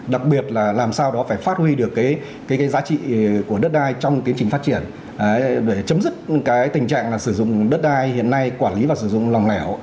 đặc biệt là làm sao đó phải phát huy được cái giá trị của đất đai trong tiến trình phát triển để chấm dứt cái tình trạng sử dụng đất đai hiện nay quản lý và sử dụng lòng lẻo